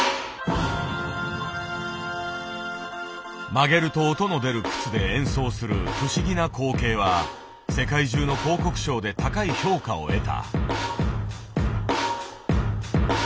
曲げると音の出る靴で演奏する不思議な光景は世界中の広告賞で高い評価を得た。